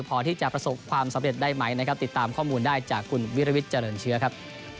พอที่จะประสบความสำเร็จได้ไหมนะครับติดตามข้อมูลได้จากคุณวิรวิทย์เจริญเชื้อครับ